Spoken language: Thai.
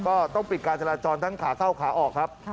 ก็ต้องปิดการจราจรทั้งขาเข้าขาออกครับ